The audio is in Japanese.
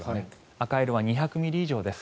赤色は２００ミリ以上です。